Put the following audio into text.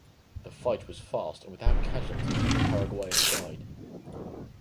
The fight was fast and without casualties on the Paraguayan side.